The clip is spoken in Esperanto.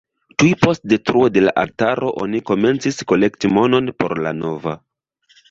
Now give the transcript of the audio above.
Tuj post detruo de la altaro oni komencis kolekti monon por la nova.